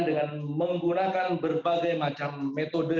dengan menggunakan berbagai macam metode